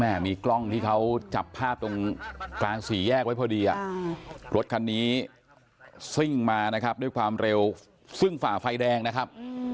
มีกล้องที่เขาจับภาพตรงกลางสี่แยกไว้พอดีรถคันนี้ซิ่งมานะครับด้วยความเร็วซึ่งฝ่าไฟแดงนะครับ